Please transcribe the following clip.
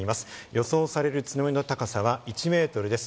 予想される津波の高さは１メートルです。